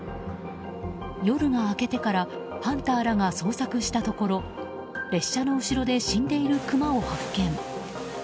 夜が明けてからハンターらが捜索したところ列車の後ろで死んでいるクマを発見。